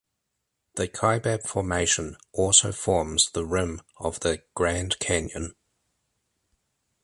The Kaibab formation also forms the rim of the Grand Canyon.